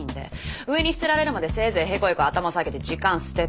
上に捨てられるまでせいぜいヘコヘコ頭下げて時間捨ててな。